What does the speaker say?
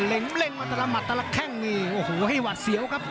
เล็งเล็งมาตลาดมาตลาดแค่งนี่โอ้โหให้หวัดเสียวครับ